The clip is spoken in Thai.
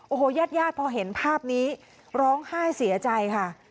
โอ้โหญาติญาติพอเห็นภาพนี้ร้องไห้เสียใจค่ะ